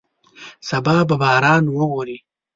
سبا به باران ووري.